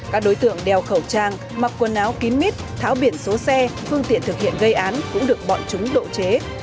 các đối tượng đeo khẩu trang mặc quần áo kín mít tháo biển số xe phương tiện thực hiện gây án cũng được bọn chúng độ chế